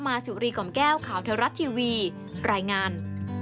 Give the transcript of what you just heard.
สุรีกล่อมแก้วข่าวเทวรัฐทีวีรายงาน